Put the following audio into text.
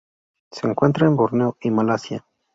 Se encuentra en Borneo y Malasia.